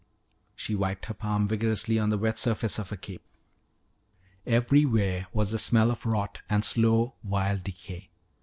She wiped her palm vigorously on the wet surface of her cape. Everywhere was the smell of rot and slow, vile decay.